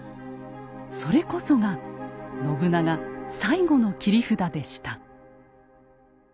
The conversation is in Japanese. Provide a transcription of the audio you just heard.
それこそが信長最後の切り札でした。